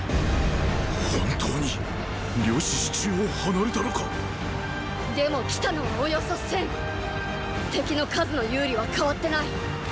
本当に呂氏四柱を離れたのかっでも来たのはおよそ千敵の数の有利は変わってない。